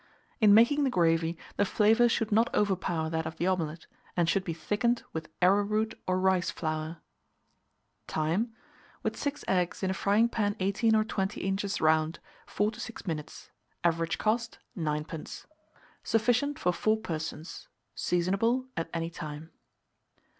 In making the gravy, the flavour should not overpower that of the omelet, and should be thickened with arrowroot or rice flour. Time. With 6 eggs, in a frying pan 18 or 20 inches round, 4 to 6 minutes. Average cost, 9d. Sufficient for 4 persons. Seasonable at any time.